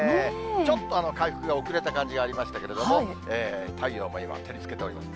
ちょっと回復が遅れた感じがありましたけれども、太陽も今、照りつけております。